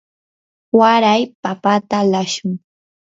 waray papata alashun.